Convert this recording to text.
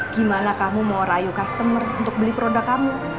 gimana kamu mau rayu customer untuk beli produk kamu